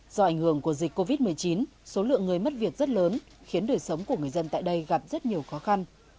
do ảnh hưởng của dịch covid một mươi chín số lượng người mất việc rất lớn khiến đời sống của người dân tại đây gặp rất nhiều khó khăn